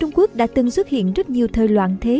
trung quốc đã từng xuất hiện rất nhiều thời loạn thế